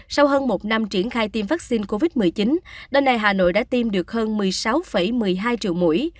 sau hơn một năm triển khai tiêm vaccine covid một mươi chín đến nay hà nội đã tiêm được hơn một mươi sáu một mươi hai triệu mũi